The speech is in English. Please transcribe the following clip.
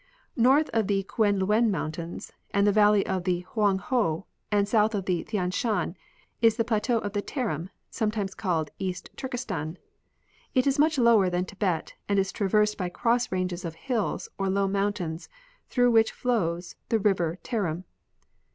North of the Kuen Luen mountains, and the valley of the Hoang ho and south of the Thian Shan, is the plateau of the Tarim, sometimes called Eastern Turkestan. It is much lower than Tibet, and is traversed by cross ranges of hills or low moun tains, through which flows the river Tarim.